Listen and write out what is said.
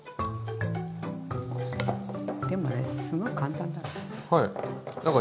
でもねすごい簡単だから。